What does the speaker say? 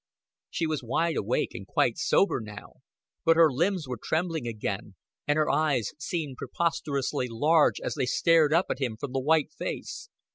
She was wide awake and quite sober now. But her limbs were trembling again, and her eyes seemed preposterously large as they stared up at him from the white face.